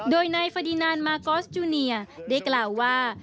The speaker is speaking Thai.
โดยนายเฟอร์ดีนานมาร์กอสจูเนียร์ได้กล่าวว่า